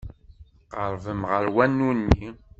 Tqerrbem ɣer wanu-nni.